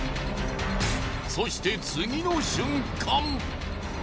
そして次の瞬間！